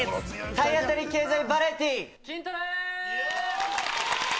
体当たり経済バラエティー『キントレ』。